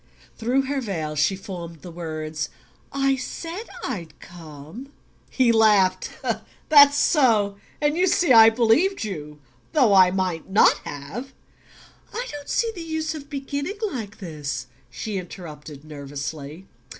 Through her veil she formed the words: "I said I'd come." He laughed. "That's so. And you see I believed you. Though I might not have " "I don't see the use of beginning like this," she interrupted nervously.